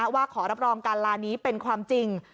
ว่าขอรับรองการลานี้เป็นความจริง